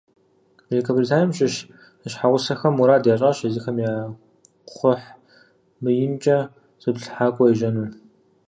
Великобританием щыщ зэщхьэгъусэхэм мурад ящӏащ езыхэм я кхъухь мыинкӏэ зыплъыхьакӏуэ ежьэну.